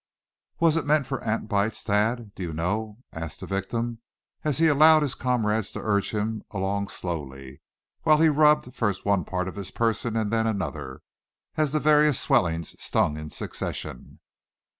"Was it meant for ant bites, Thad, do you know?" asked the victim, as he allowed his comrades to urge him along slowly; while he rubbed, first one part of his person, and then another, as the various swellings stung in succession.